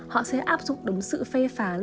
họ sẽ áp dụng đúng sự phê phán